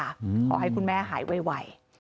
ขอให้คุณแม่หายไว